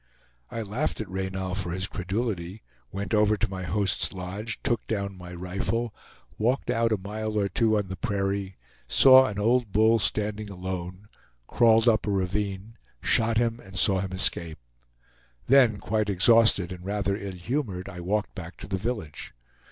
I laughed at Reynal for his credulity, went over to my host's lodge, took down my rifle, walked out a mile or two on the prairie, saw an old bull standing alone, crawled up a ravine, shot him and saw him escape. Then, quite exhausted and rather ill humored, I walked back to the village.